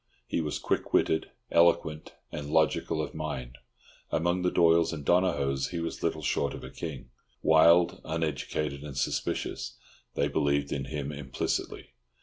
He was quick witted, eloquent, and logical of mind. Among the Doyles and Donohoes he was little short of a king. Wild, uneducated, and suspicious, they believed in him implicitly.